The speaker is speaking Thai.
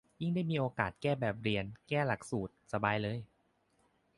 ยิ่งได้มีโอกาสแก้แบบเรียน แก้หลักสูตร สบายเลย